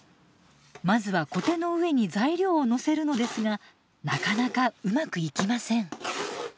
まずはコテの上に材料をのせるのですがなかなかうまくいきません。